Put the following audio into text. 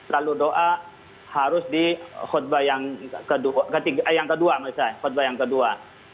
lalu doa harus di khutbah yang kedua